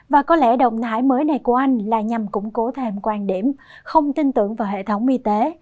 và có lẽ động thái mới này của anh là nhằm củng cố thêm quan điểm không tin tưởng vào hệ thống y tế